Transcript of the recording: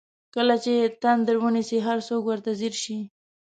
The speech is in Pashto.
کله چې یې تندر ونیسي هر څوک ورته ځیر شي.